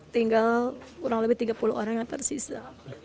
tinggal kurang lebih tiga puluh orang yang tersisa